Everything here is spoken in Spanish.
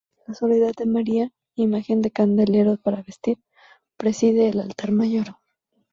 La Soledad de María, imagen de candelero para vestir, preside el altar mayor.